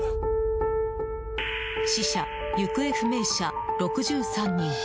死者・行方不明者６３人。